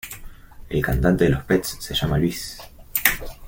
El cantante de los Pets se llama Luís.